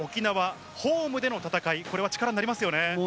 ホームでの戦い、これは力になりますよね。